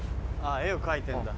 絵を描いてんだ。